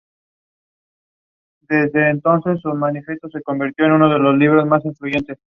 Es el primer single de su álbum, "Cause and Effect" en Noruega.